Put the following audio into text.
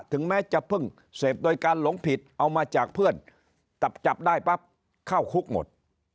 ถึงแม้จะเพิ่งเสพโดยการหลงผิดเอามาจากเพื่อนจับได้ปั๊บเข้าคุกหมด